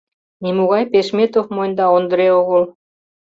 Нимогай Пешметов монь да Ондре огыл.